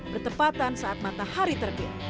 bertepatan saat matahari terbit